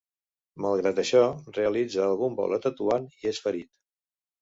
Malgrat això realitza algun vol a Tetuan i és ferit.